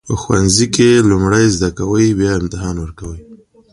په ښوونځي کې لومړی زده کوئ بیا امتحان ورکوئ.